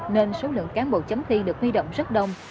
nên số lượng cán bộ chấm thi được huy động rất đông